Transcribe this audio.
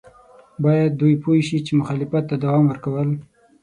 باید دوی پوه شي چې مخالفت ته دوام ورکول.